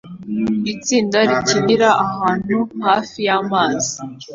Itsinda rikinira ahantu hafi y'amazi